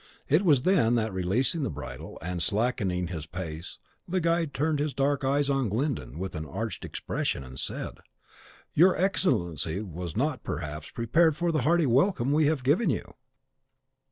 It was then that, releasing the bridle and slackening his pace, the guide turned his dark eyes on Glyndon with an arch expression, and said, "Your Excellency was not, perhaps, prepared for the hearty welcome we have given you."